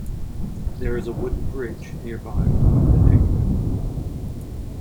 There is a wooden bridge nearby over the Eg River.